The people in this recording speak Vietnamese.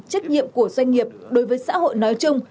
trách nhiệm của doanh nghiệp đối với xã hội nói chung